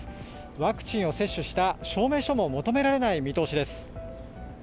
ワクチンを接種した証明書も求められない見通しです。